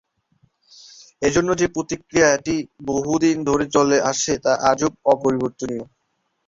এর জন্য যে প্রক্রিয়াটি বহুদিন ধরে চলে আসছে, তা আজও অপরিবর্তনীয়।